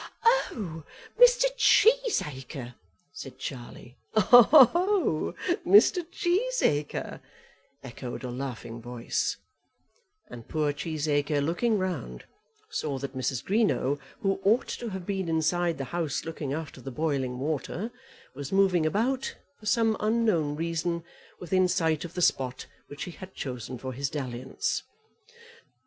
"Oh, Mr. Cheesacre," said Charlie. "Oh, Mr. Cheesacre," echoed a laughing voice; and poor Cheesacre, looking round, saw that Mrs. Greenow, who ought to have been inside the house looking after the boiling water, was moving about for some unknown reason within sight of the spot which he had chosen for his dalliance.